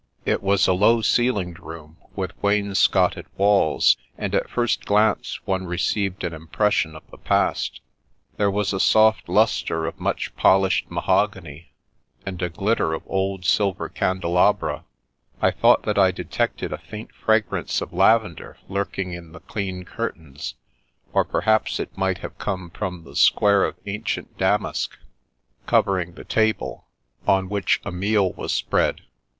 It was a low ceilinged room with wainscoted walls, and at first glance one received an impression of the past. There was a soft lustre of much pol ished mahogany, and a glitter of old silver cande labra; I thought that I detected a faint fragrance of lavender lurking in the clean curtains, or perhaps it might have come from the square of ancient damask covering th» table, on which a meal was spread.